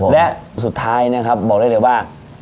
และสุดท้ายนะครับบอกได้เลยว่า